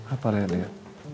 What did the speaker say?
apa lihat dia